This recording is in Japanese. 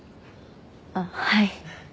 あっはい。